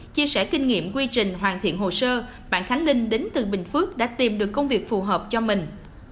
chia sẻ kinh nghiệm quy trình hoàn thiện hồ sơ bản khánh linh đến từ bình phước đã tìm được công việc phù hợp cho mình